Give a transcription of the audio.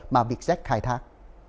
mà vietjet khai thác